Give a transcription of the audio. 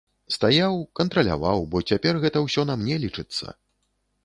Стаяў, кантраляваў, бо цяпер гэта ўсё на мне лічыцца.